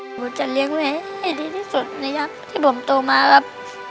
ผมจะเลี้ยงแม่ให้ดีที่สุดนะครับที่ผมตัวมาครับ